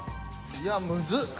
いやむずっ。